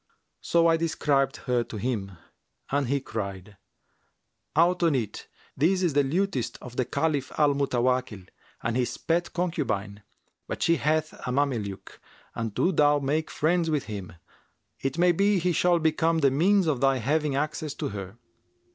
So I described her to him and he cried, 'Out on it! This is the lutanist of the Caliph Al Mutawakkil and his pet concubine. But she hath a Mameluke[FN#356] and do thou make friends with him; it may be he shall become the means of thy having access to her.'